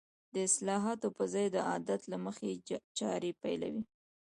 د اصلاحاتو په ځای د عادت له مخې چارې پيلوي.